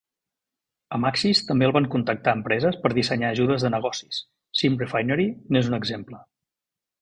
A Maxis també el van contactar empreses per dissenyar ajudes de negocis; "SimRefinery", n'és un exemple.